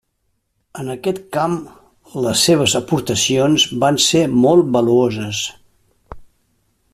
En aquest camp, les seves aportacions van ser molt valuoses.